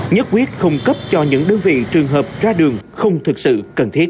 nhất quyết không cấp cho những đơn vị trường hợp ra đường không thực sự cần thiết